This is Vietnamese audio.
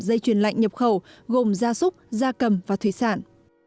dây chuyền lạnh nhập khẩu gồm gia súc gia cầm và thủy sản